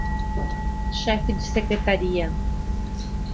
chefe de secretaria